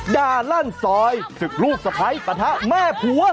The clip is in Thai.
ด้านลั่นซอยถึงรูปสะพ้ายประทะแม่ผัว